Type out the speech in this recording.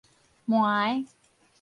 糜